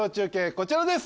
こちらです